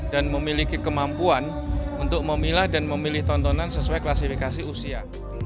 dan memiliki kemampuan untuk memilah dan memilih tontonan sesuai klasifikasi usia